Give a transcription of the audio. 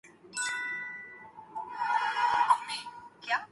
سعودی حکام نے فیصلہ کیا ہے